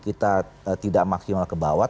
kita tidak maksimal kebawah